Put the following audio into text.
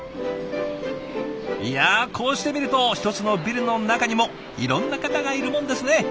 いやこうして見ると１つのビルの中にもいろんな方がいるもんですね。